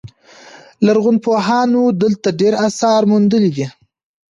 لرغونپوهانو دلته ډیر اثار موندلي